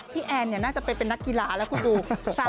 พี่แอนน่าจะเป็นนักกีฬาแล้วคุณผู้ชม